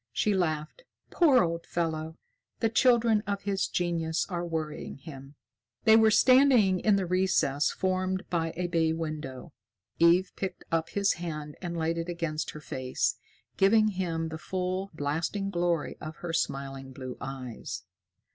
She laughed. "Poor old fellow. The children of his genius are worrying him." They were standing in the recess formed by a bay window. Eve picked up his hand and laid it against her face, giving him the full, blasting glory of her smiling blue eyes.